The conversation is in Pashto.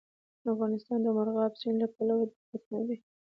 افغانستان د مورغاب سیند له پلوه ډېر متنوع دی.